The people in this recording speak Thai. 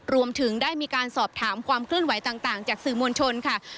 รวมถึงได้มีการสอบถามความเคลื่อนไหวต่างจากสื่อมวลชนค่ะ